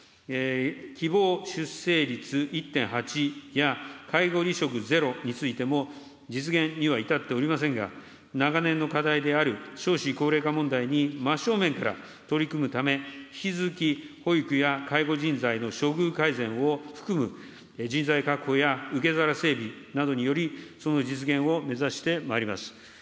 希望出生率１．８や、介護離職ゼロについても、実現には至っておりませんが、長年の課題である少子高齢化問題に真っ正面から取り組むため、引き続き、保育や介護人材の処遇改善を含む人材確保や、受け皿整備などにより、その実現を目指してまいります。